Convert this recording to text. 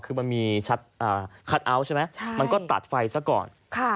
คือมันมีชัดคัทเอาท์ใช่ไหมมันก็ตัดไฟซะก่อน